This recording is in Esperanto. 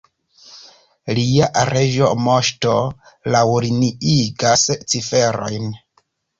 Lia Reĝa Moŝto laŭliniigas ciferojn.